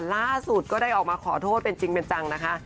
ล่าสุดก็ได้ออกมาขอโทษเป็นจริงเป็นจังนะคะ